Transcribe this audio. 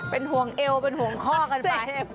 เป็นห่วงเอวเป็นห่วงข้อกันไป